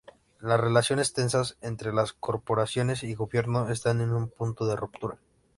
Las relaciones tensas entre las corporaciones y gobierno están en un punto de ruptura.